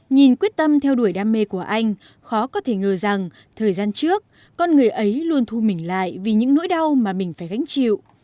nhìn quyết tâm theo đuổi đam mê của anh khó có thể ngờ rằng thời gian trước con người ấy luôn thu mình lại vì những nỗi đau mà mình phải gánh chịu